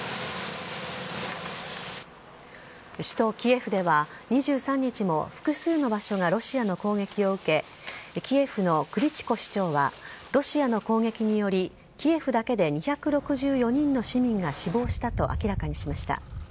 首都・キエフでは２３日も複数の場所がロシアの攻撃を受けキエフのクリチコ市長はロシアの攻撃によりキエフだけで２６４人の市民が死亡したと明らかにしました。